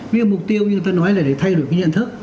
ví dụ mục tiêu như ta nói là để thay đổi cái nhận thức